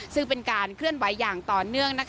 ซึ่งเป็นการเคลื่อนไหวอย่างต่อเนื่อง